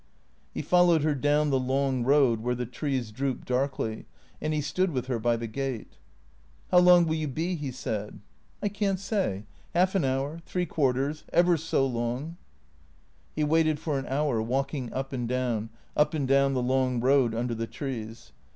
He followed her down the long road where the trees drooped darkly, and he stood with her by the gate. " How long will you be? " he said. " I can't say. Half an hour — three quarters — ever so long." He waited for an hour, walking up and down, up and down the long road under the trees.